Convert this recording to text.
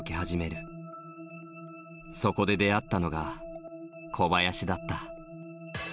そこで出会ったのが小林だった。